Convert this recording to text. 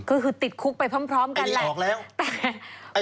ก็คือติดคุกไปพร้อมกันแหละอันนี้ออกแล้วแต่